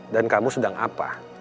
dan kamu sedang apa